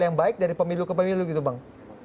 yang baik dari pemilu ke pemilu gitu bang